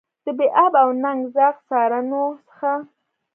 د بې آب او ننګ زاغ سارانو څخه.